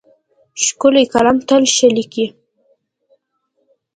ښکلی قلم تل ښه لیکي.